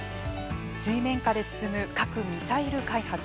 水面下で進む核・ミサイル開発。